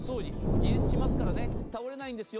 自立しますから、倒れないんですよ。